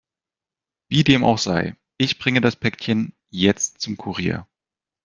Wie dem auch sei, ich bringe das Päckchen jetzt zum Kurier.